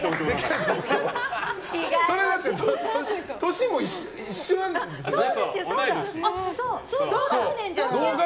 年も一緒なんですよね？